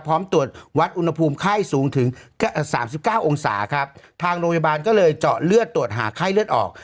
พร้อมตรวจวัดอุณหภูมิไข้สูงถึงสามสิบเก้าองศาครับทางโรงพยาบาลก็เลยเจาะเลือดตรวจหาไข้เลือดออก